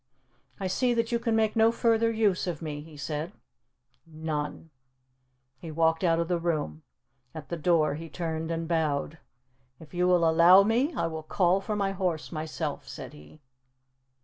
"I see that you can make no further use of me," he said. "None." He walked out of the room. At the door he turned and bowed. "If you will allow me, I will call for my horse myself," said he.